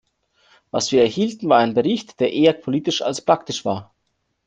Was wir erhielten, war ein Bericht, der eher politisch als praktisch war.